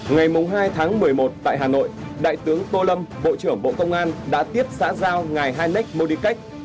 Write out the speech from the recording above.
ngày hai tháng một mươi một tại hà nội đại tướng tô lâm bộ trưởng bộ công an đã tiếp xã giao ngài hanek modike